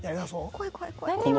怖い怖い怖い。